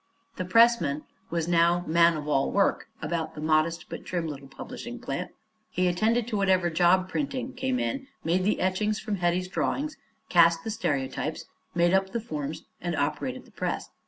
The "pressman" was now the man of all work about the modest but trim little publishing plant. He attended to whatever job printing came in, made the etchings from Hetty's drawings, cast the stereotypes, made up the forms and operated the press.